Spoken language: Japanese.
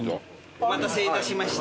お待たせいたしました。